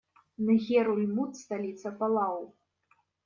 Нгерулмуд - столица Палау.